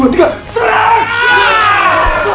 bikin dibitanya béytan